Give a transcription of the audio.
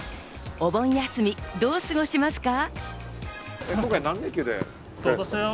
お盆休み、どう過ごしますか？